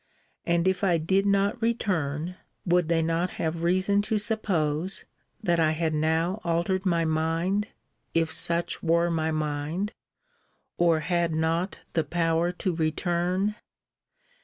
And, if I did not return, would they not have reason to suppose, that I had now altered my mind (if such were my mind) or had not the power to return?